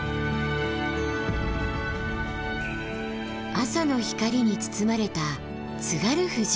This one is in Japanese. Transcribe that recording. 朝の光に包まれた津軽富士。